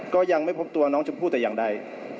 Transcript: ก็ยังไม่พบตัวน้องชมพู่แต่อย่างใด